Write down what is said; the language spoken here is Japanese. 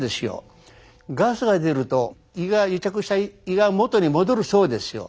ガスが出ると癒着した胃が元に戻るそうですよ。